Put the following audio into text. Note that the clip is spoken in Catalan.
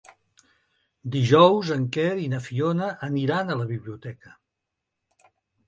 Dijous en Quer i na Fiona aniran a la biblioteca.